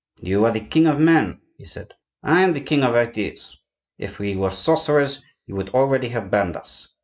"You are the king of men," he said; "I am the king of ideas. If we were sorcerers, you would already have burned us.